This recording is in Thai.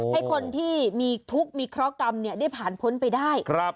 ให้คนที่มีทุกข์มีเคราะหกรรมได้ผ่านพ้นไปได้